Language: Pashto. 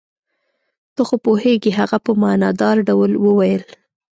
ته خو پوهېږې. هغه په معنی دار ډول وویل.